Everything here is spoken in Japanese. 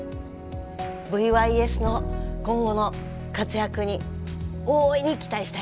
ＶＹＳの今後の活躍に大いに期待したいです。